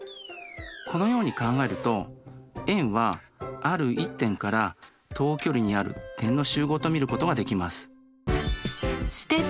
このように考えると円はある１点から等距離にある点の集合と見ることができます。